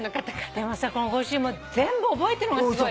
でもさこのご主人も全部覚えてるのがすごい。